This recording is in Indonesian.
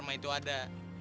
nama itu ada